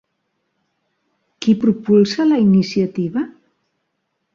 Qui propulsa la iniciativa?